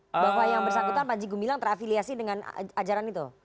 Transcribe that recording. bahwa yang bersangkutan panjegu milang terafiliasi dengan ajaran itu